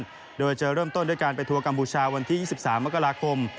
โดยจะเริ่มต้นด้วยการไปทัวร์กัมพูชาวันที่๒๓มกราคม